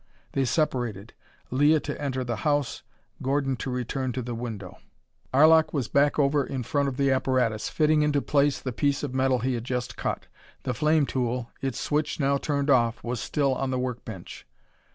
They separated, Leah to enter the house, Gordon to return to the window. Arlok was back over in front of the apparatus, fitting into place the piece of metal he had just cut. The flame tool, its switch now turned off, was still on the work bench.